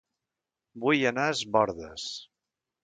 Vull anar a Es Bòrdes